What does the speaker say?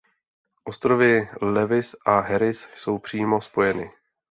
Ostrovy Lewis a Harris jsou přímo spojeny.